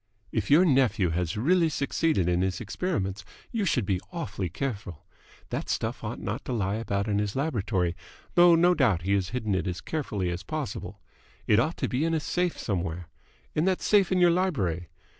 "If your nephew has really succeeded in his experiments, you should be awfully careful. That stuff ought not to lie about in his laboratory, though no doubt he has hidden it as carefully as possible. It ought to be in a safe somewhere. In that safe in your library.